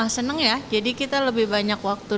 senang ya jadi kita lebih banyak waktu